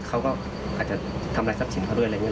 เขาก็อาจจะทำลายทรัพย์สินเขาด้วยอะไรอย่างนี้